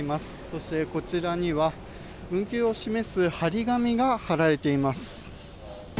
そしてこちらには、運休を示す貼り紙が貼られています。